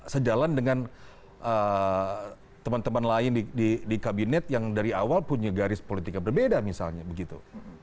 sejalan dengan teman teman lain di kabinet yang dari awal punya garis politik yang berbeda misalnya begitu